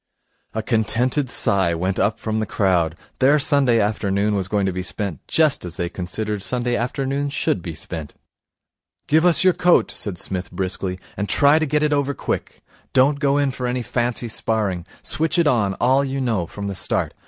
A contented sigh went up from the crowd. Their Sunday afternoon was going to be spent just as they considered Sunday afternoons should be spent. 'Give us your coat,' said Psmith briskly, 'and try and get it over quick. Don't go in for any fancy sparring. Switch it on, all you know, from the start.